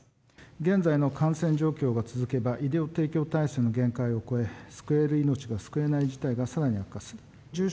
現在の感染状況が続けば、医療提供体制の限界を超え、救える命が救えない事態がさらに発生。